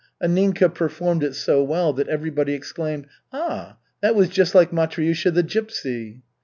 Anninka performed it so well that everybody exclaimed, "Ah, that was just like Matryusha the gypsy."